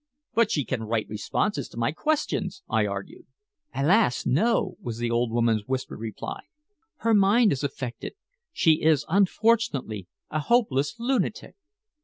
"But she can write responses to my questions?" I argued. "Alas! no," was the old woman's whispered reply. "Her mind is affected. She is, unfortunately, a hopeless lunatic."